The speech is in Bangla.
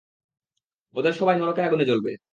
ওদের সবাই নরকের আগুনে জ্বলবে!